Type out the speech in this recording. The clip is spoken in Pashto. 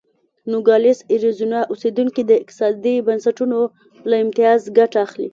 نوګالس اریزونا اوسېدونکي د اقتصادي بنسټونو له امتیاز ګټه اخلي.